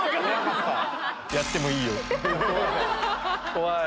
怖い！